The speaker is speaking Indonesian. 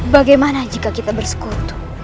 bagaimana jika kita bersekutu